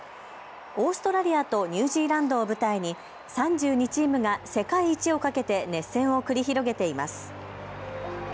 オーストラリアとニュージーランドを舞台に３２チームが世界一をかけて熱戦を繰り広げています。